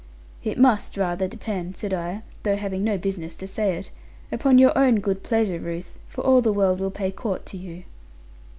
'It must rather depend,' said I, though having no business to say it, 'upon your own good pleasure, Ruth; for all the world will pay court to you.'